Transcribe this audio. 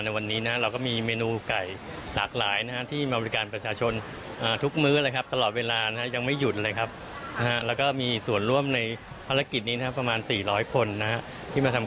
ที่ได้มาร่วมในพิธีและแล้วก็มีส่วนร่วมในครัวพระราชทานครับ